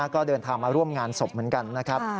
ก็เดินทางมาร่วมงานศพเหมือนกันนะครับ